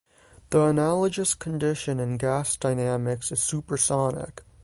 The analogous condition in gas dynamics is supersonic.